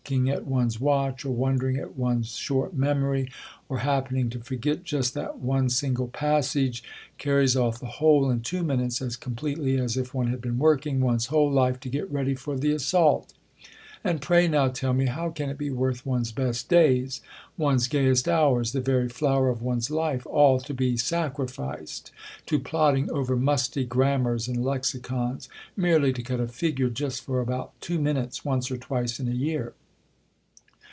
bdng at one's watch, &r woii<2leri»g at erne's sfeort mem ory, THiE COLUMBIAN ORATOR. 2i9 x)fy, or happening to forget just that one single passage, carries oft' the whole in two minutes, as completely as if one had been working one's whole life to get ready for the assault. And pray now tell me, how can it be worth one's best days, one's gayest hours, the very flower of one's life, all to be sacrificed to plodding over musty grammars and lexicons, merely to cut a figure just for about two minutes, once or twice in a year